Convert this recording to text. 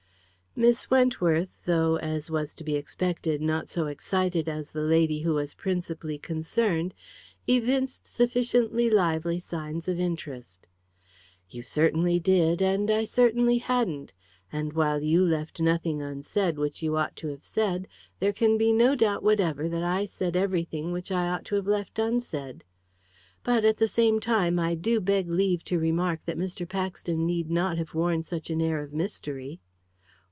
Miss Wentworth, though, as was to be expected, not so excited as the lady who was principally concerned, evinced sufficiently lively signs of interest. "You certainly did, and I certainly hadn't; and while you left nothing unsaid which you ought to have said, there can be no sort of doubt whatever that I said everything which I ought to have left unsaid. But, at the same time, I do beg leave to remark that Mr. Paxton need not have worn such an air of mystery."